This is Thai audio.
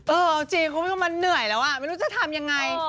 เอาจริงคุณผู้ชมมันเหนื่อยแล้วอ่ะไม่รู้จะทำยังไง